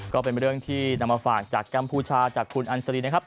ก็เป็นเรื่องที่นำมาฝากจากกัมพูชาจากคุณอันสรีนะครับ